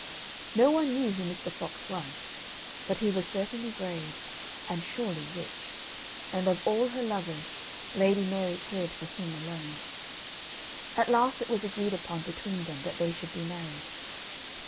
No one knew who Mr. Fox was; but he was certainly brave, and surely rich, and of all her lovers, Lady Mary cared for him alone. At last it was agreed upon between them that they should be married.